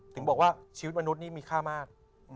ถึงบอกว่าชีวิตมนุษย์นี่มีค่ามาก